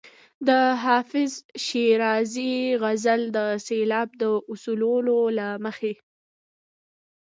د حافظ شیرازي غزل د سېلاب د اصولو له مخې.